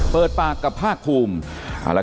เปิดปากกับภาคภูมิ